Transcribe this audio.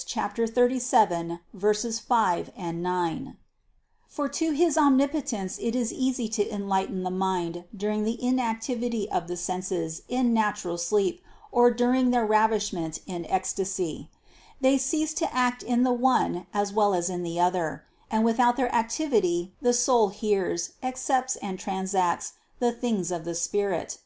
37; 5, 9) for to his Omnipotence it is easy to enlighten the mind during the inactivity of the senses in natural sleep or during their ravishment in ecstasy; they cease to act in the one as well as in the other, and without their activity the soul hears, accepts and transacts the things of the Spirit.